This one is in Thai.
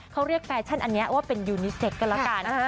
เขาเรียกแฟชั่นอันเนี้ยว่าเป็นยูนิเซ็กกันละกันค่ะอ่า